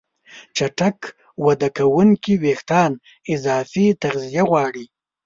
چټک وده کوونکي وېښتيان اضافي تغذیه غواړي.